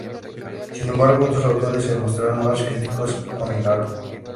Sin embargo, otros autores se mostraron más críticos con el álbum.